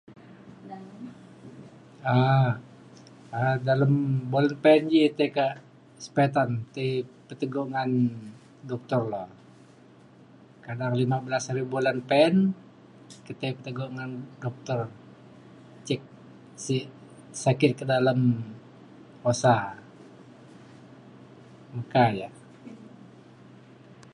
um Dalem bolan pe'en ji tai ke sepetan tai peteguk ngan duktur lo. Kadang lima belas hari bolan pe'en, ketai peteguk ngan doktor cek sik sakit ke dalem osa meka ja.